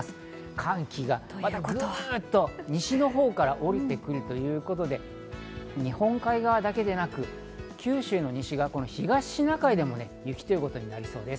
寒気がまたグっと西のほうから下りてくるということで、日本海側だけでなく、九州の西、東シナ海でも雪ということになりそうです。